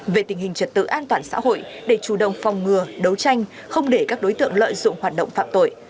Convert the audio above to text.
về tình hình trật tự an toàn xã hội để chủ động phòng ngừa đấu tranh không để các đối tượng lợi dụng hoạt động phạm tội